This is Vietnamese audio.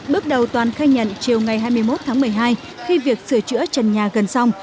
bước đầu toàn khai nhận chiều ngày hai mươi một tháng một mươi hai khi việc sửa chữa trần nhà gần xong